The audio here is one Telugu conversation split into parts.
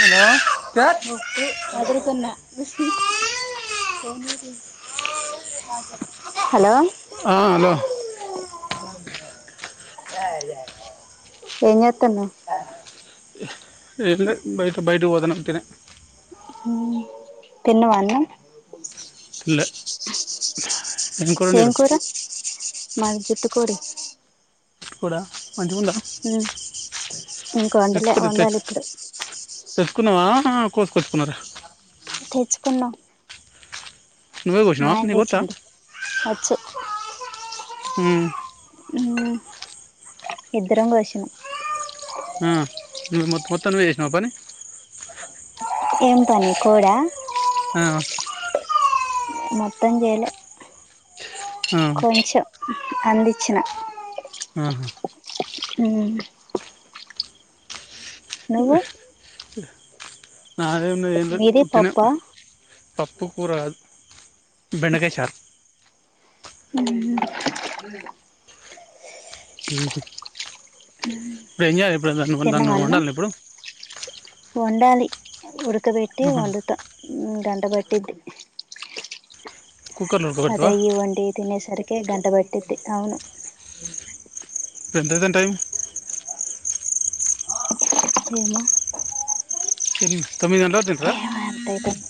హలో సార్ ఒప్పె వొదురుతున్న హలో ఆ హలో ఏం చేత్తాన్నవు ఏందో బైట బయటకి పొతాన్నం తిని ఉనా తిన్నావా అన్న తినలే ఏం కూర మది జుట్టు కోడి కోడా ఇంక వండలే తెచ్చుకో వండాలి తెచ్చు ఇప్పుడు తెచ్చుకున్నావా కోసుకొచ్చుకున్నార తెచ్చుకున్నా నువ్వే మా కోసినావా ఆయన నీకు వస్తా తెచ్చిండు వచ్చు మ్మ్ మ్మ్ ఇద్దరం కోసినాం ఆ మొత్త మొత్తం నువ్వే చేసినావ పని ఎంటి అండి కోడ అవ్ మొత్తం చేయ్యాలే ఆ, కొంచెం అందించ్చిన ఆహా ఉను నువ్వు నాది ఏం ఉన్నది ఏం లేదు మీది ఉత్తినే పప్పా పప్పు కూర బెండకాయ చారు అవున ఇప్పుడు ఎంజాయ్. తిన్నావా అన్నం. వండాలి ఉడకబెట్టి వండుతా గంట పట్టిద్ది. కుక్కర్లో ఉడకబెడతావా అదై వండి తినేసరికి గంటపట్టుద్ది. అవును ఎంతైతాంది టైం అనా తొమ్మిది గంటలకు ఏమో ఎంతయతాంది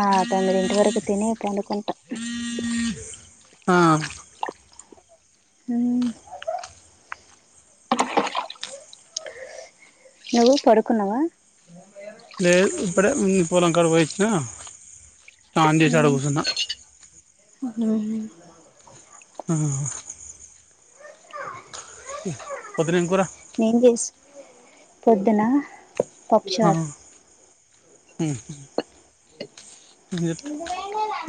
ఆ తొమ్మిదింటి వరకు తిని పడుకుంటా. ఆ మ్ నువ్వు పడుకున్నావా? లేదు ఇప్పుడే పొలం కాడి కి పోయివచ్చినా మ్మ్ మ్మ్ ఆ పొద్దున ఏం కూర? ఏం చేసినావు పొద్దున? ఆ. పప్పుచారు ఉ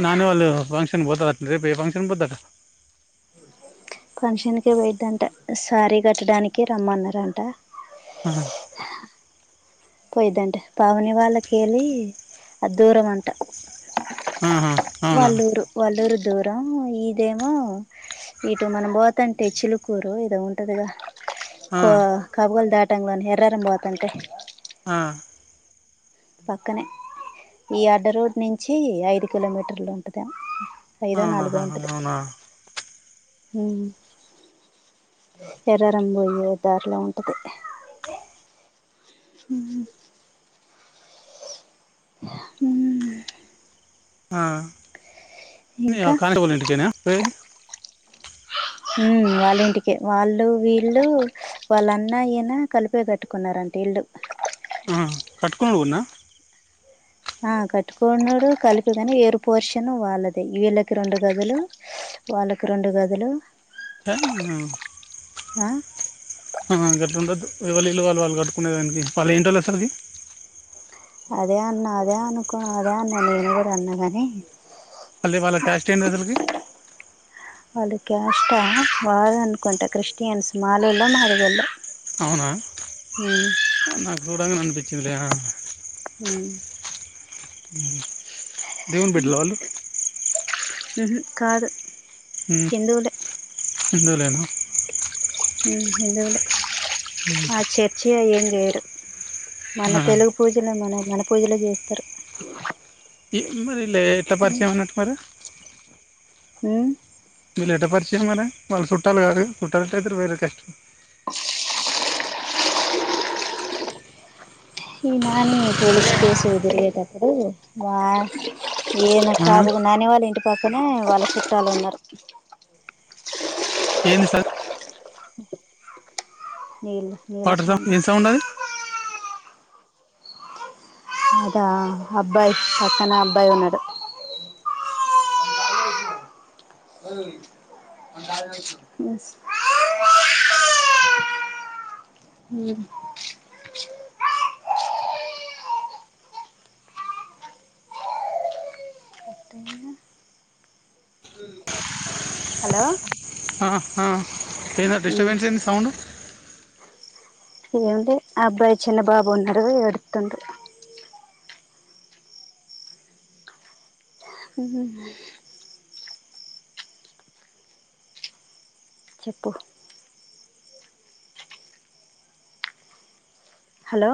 నాన్న వాళ్ళు ఫంక్షన్ పోతారంట రేపు ఏ ఫంక్షన్ కు పోతారు. ఫంక్షన్స్ కే పోయిందట శారీ కట్టడానికే రమ్మన్నారంట ఆ పోయిదంట పావని వాళ్ళకి యెల్లి అది దూరం అంట. ఆహా! అవునా వాళ్ళూరు వాళ్ళూరు దూరం ఇదేమో ఇటు మనం పోతంటే చిలుకూరు ఇది ఉంటదిగా ఆ, కో కబూలు దాటంగానే ఎర్రారం పోతాంటే ఆ పక్కనే ఈ అడ్డ రోడ్ నుంచి ఐదు కిలోమీటర్లు. ఐదో, అవునా నాలుగో ఆహా, అవునా ఎర్రారం పోయే దారిలో ఉంటాది. ఉహూ మ్ ఆ ఇంకా కరెంటోల్ల ఇంటికేనా. పోయేది. హ వాళ్ళ ఇంటికే వాళ్ళు వీళ్ళు వాళ్ళ అన్నా ఈయన కలిపే కట్టుకున్నారంట ఇల్లు. కట్టుకొని పోనా ఆ కట్టుకున్నారు కలిపి గాని ఎవరి పోర్షన్ వాళ్ళదే. వీళ్ళకి రెండు గదులు వాళ్ళకి రెండు గదులు అట్నా ఆ ఆ గట్లా ఉండదు. ఎవరిళ్ళు వాళ్ళు వాళ్లు కట్టుకునే దానికి, వాళ్ళు ఏంటో వాళ్ళు అసలుకి అదే అన్న అదే అనుకో అదే అన్న నేను కూడా అన్నా కాని అలి ఇ వాళ్ళ క్యాస్ట్ ఏంది అసలుకి? వాళ్ళది క్యాస్ట్ ఆ వాళ్ళు అనుకుంటా క్రిస్టియన్స్ మాలల్లో, మాదిగొల్లో అవునా నాకు చూడంగా అనిపించందిలే రా ఉ దవును బిడ్ల అలు ఉహు కాదు హిందువులే హిందువులైన ఉ హిందువులే [unintelligible] మన ఆ, తెలుగు పూజలు మన మన పూజలు చేస్తారు [unintelligible] ఎట్లా పరిచయం ఉన్నట్టు మరి హ మీల ఎట పరిచ చేయ మ వాళ్ళు చుట్టాలి కాదు చుట్టాలంట అయితే వేరే కష్టం ఈ నాని పోలీసు కేసు వదిలేటప్పుడు ఆ, [unintelligible] [unintelligible] పక్కనే వాళ్ళ చుట్టలు ఉన్నారు ఏందీ సార్ వాటర్ [unintelligible] [unintelligible] అద అబ్బాయి పక్కన అబ్బాయి ఉన్నాడు [unintelligible] హు [unintelligible] ఉ హలో ఆ ఆ ఏంది ఆ ఉమ్ డిస్టర్బెన్స్ ఏంది సౌండ్ ఏంది ఆ అబ్బాయి చిన్నబాబు ఉన్నాడు ఎడుస్తుండు హు హు [unintelligible] హలో